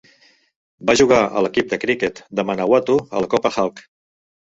Va jugar a l'equip de criquet de Manawatu a la Copa Hawke.